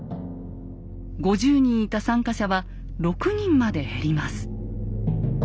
５０人いた参加者は６人まで減ります。